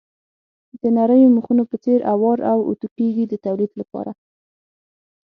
د نریو مخونو په څېر اوار او اتو کېږي د تولید لپاره.